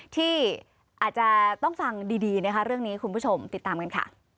ที่อาจจะต้องฟังดีนะคะเรื่องนี้คุณผู้ชมติดตามกันค่ะ